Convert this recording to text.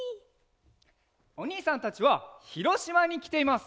おにいさんたちはひろしまにきています！